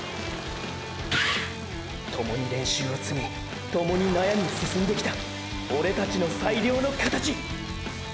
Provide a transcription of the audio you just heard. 共に練習を積み共に悩み進んできたオレたちの最良の形！！